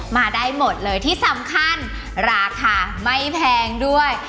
มาได้หมดเลยที่สำคัญราคาไม่แพงด้วย